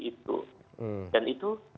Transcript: itu dan itu